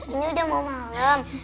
ini udah mau malam